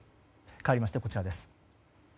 かわりまして、こちらです。